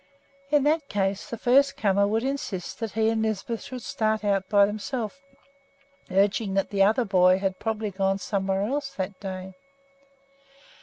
In that case the first comer would insist that he and Lisbeth should start out by themselves, urging that the other boy had probably gone somewhere else that day.